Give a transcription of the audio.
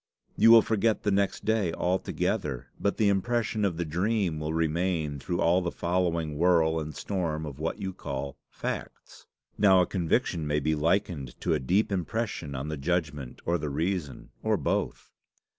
You will forget the next day altogether, but the impression of the dream will remain through all the following whirl and storm of what you call facts. Now a conviction may be likened to a deep impression on the judgment or the reason, or both.